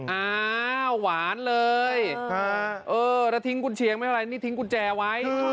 อ้าวหวานเลยเออแล้วทิ้งกุญเชียงไม่เป็นไรนี่ทิ้งกุญแจไว้